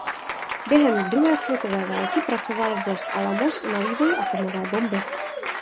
Během druhé světové války pracoval v Los Alamos na vývoji atomové bomby.